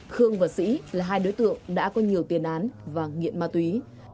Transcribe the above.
khương và sĩ là hai đối tượng đã có nhiều tiền án và nghiện ma túy